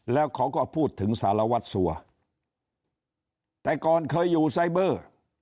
แล้วเขาก็พูดถึงสารวัตรสัวแต่ก่อนเคยอยู่ไซเบอร์